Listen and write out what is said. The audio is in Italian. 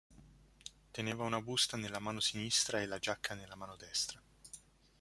Teneva una busta nella mano sinistra e la giacca nella mano destra.